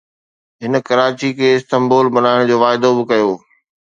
هن ڪراچي کي استنبول بنائڻ جو واعدو به ڪيو